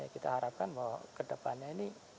kita harapkan bahwa kedepannya ini